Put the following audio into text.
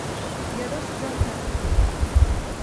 Yara, sıcakken sarılır.